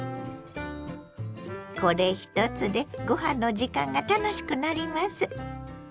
これ一つでご飯の時間が楽しくなります。